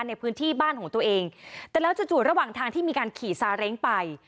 ในพื้นที่บ้านของตัวเองแต่แล้วจู่จู่ระหว่างทางที่มีการขี่ซาเล้งไป